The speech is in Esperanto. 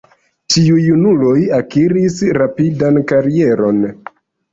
Tiuj junuloj akiris rapidan karieron.